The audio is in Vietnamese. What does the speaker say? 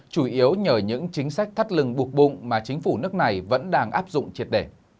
chủ yếu nhờ những chính sách thắt lưng buộc bụng mà chính phủ nước này vẫn đang áp dụng triệt đề